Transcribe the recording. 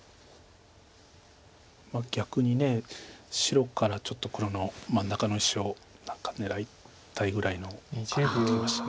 逆に白からちょっと黒の真ん中の石を何か狙いたいぐらいの感じになってきました。